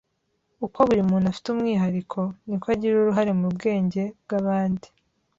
Uko buri muntu afite umwihariko, niko agira uruhare mu bwenge bwabandi.